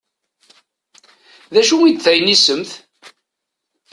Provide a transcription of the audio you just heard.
D acu i d taynisemt?